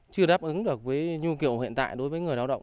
chưa đáp ứng được với nhu kiệu hiện tại đối với người đào động